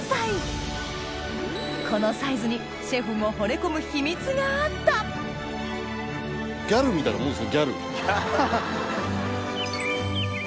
このサイズにシェフもほれ込む秘密があったを堪能！